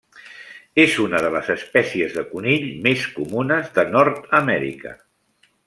És una de les espècies de conill més comunes de Nord-amèrica.